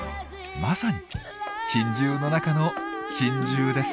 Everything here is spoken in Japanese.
まさに珍獣の中の珍獣です。